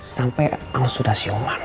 sampai al sudah siuman